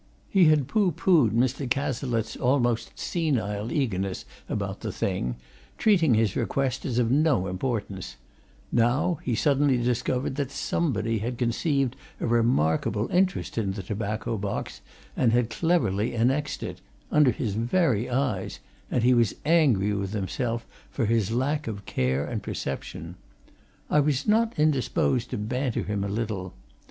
He had poohpoohed Mr. Cazalette's almost senile eagerness about the thing, treating his request as of no importance; now he suddenly discovered that somebody had conceived a remarkable interest in the tobacco box and had cleverly annexed it under his very eyes and he was angry with himself for his lack of care and perception. I was not indisposed to banter him a little.